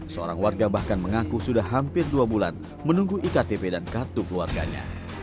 seorang warga bahkan mengaku sudah hampir dua bulan menunggu iktp dan kartu keluarganya